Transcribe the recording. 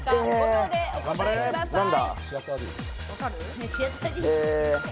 ５秒でお答えください。